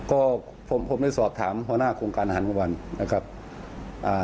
ก็ผมได้สอบถามหัวหน้าโครงการอาหารกลางวัน